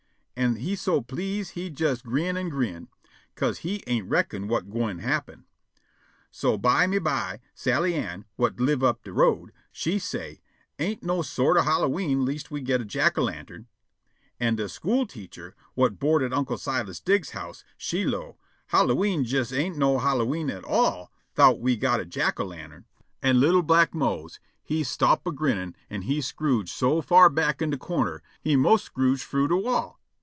An' he so please' he jes grin' an' grin', 'ca'se he ain't reckon whut gwine happen. So byme by Sally Ann, whut live up de road, she say', "Ain't no sort o' Hallowe'en lest we got a jack o' lantern." An' de school teacher, whut board at Unc' Silas Diggs's house, she 'low', "Hallowe'en jes no Hallowe'en at all 'thout we got a jack o' lantern." An' li'l' black Mose he stop' a grinnin', an' he scrooge' so far back in de corner he 'mos' scrooge frough de wall.